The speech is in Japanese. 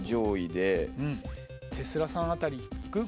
テスラさんあたりいく？